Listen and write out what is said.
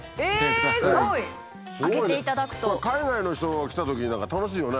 海外の人が来たときなんか楽しいよね。